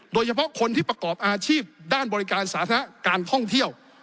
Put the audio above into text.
โดยเฉพาะคนที่ประกอบอาชีพด้านบริการสาธารณะการท่องเที่ยว